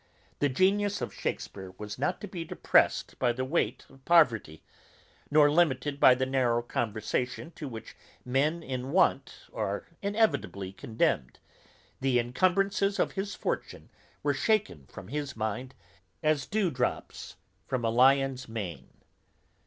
The genius of Shakespeare was not to be depressed by the weight of poverty, nor limited by the narrow conversation to which men in want are inevitably condemned; the incumbrances of his fortune were shaken from his mind, as dewdrops from a lion's mane.